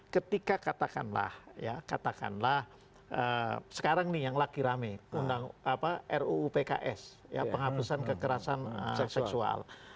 ketika katakanlah katakanlah sekarang nih yang laki rame ruupks penghabisan kekerasan seksual